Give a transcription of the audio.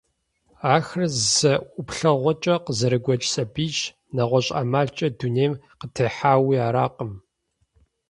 Ахэр зэ ӀуплъэгъуэкӀэ къызэрыгуэкӀ сабийщ, нэгъуэщӀ ӀэмалкӀэ дунейм къытехьауи аракъым.